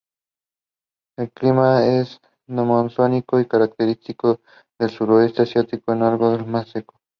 El clima es monzónico característico del sureste asiático aunque algo más seco.